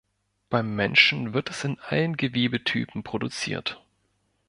Beim Menschen wird es in allen Gewebetypen produziert.